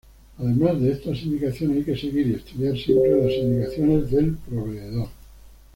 Además de estas indicaciones hay que seguir y estudiar siempre las indicaciones del proveedor.